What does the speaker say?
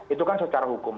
itu kan secara hukum